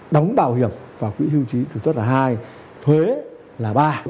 đóng bảo hiểm và quỹ hưu trí là hai thuế là ba